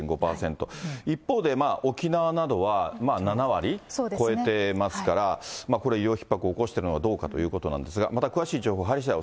一方で沖縄などは７割越えてますから、これ、医療ひっ迫を起こしているのかどうかということなんですが、また詳しい情報入りしだい